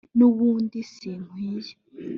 n’ubundi sinkwiye